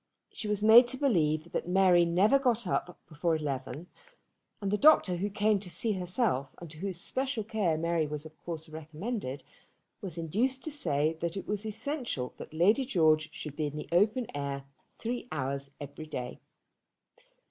She was made to believe that Mary never got up before eleven; and the doctor who came to see herself and to whose special care Mary was of course recommended, was induced to say that it was essential that Lady George should be in the open air three hours every day.